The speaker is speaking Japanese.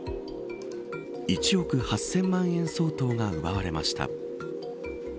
１億８０００万円相当が奪われました。